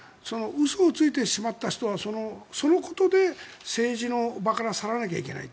嘘をついてしまった人はそのことで政治の場から去らなきゃいけない。